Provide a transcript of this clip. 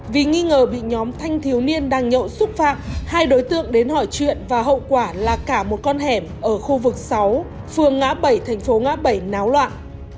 vì nghi ngờ bị nhóm thanh thiếu niên đang nhậu xúc phạm hai đối tượng đến hỏi chuyện và hậu quả là cả một con hẻm ở khu vực sáu phường ngã bảy thành phố ngã bảy náo loạn